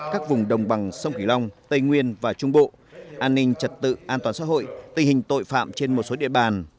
các vùng đồng bằng sông kỳ long tây nguyên và trung bộ an ninh trật tự an toàn xã hội tình hình tội phạm trên một số địa bàn